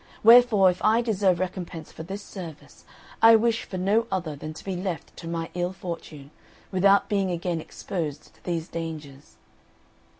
Wherefore, if I deserve recompense for this service, I wish for no other than to be left to my ill fortune, without being again exposed to these dangers."